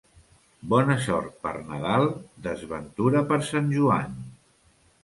Bona sort per Nadal, desventura per Sant Joan.